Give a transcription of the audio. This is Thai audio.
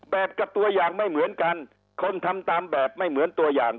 กับตัวอย่างไม่เหมือนกันคนทำตามแบบไม่เหมือนตัวอย่าง